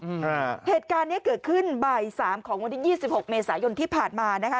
อ่าเหตุการณ์เนี้ยเกิดขึ้นบ่ายสามของวันที่ยี่สิบหกเมษายนที่ผ่านมานะคะ